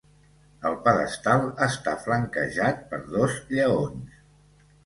El pedestal està flanquejat per dos lleons.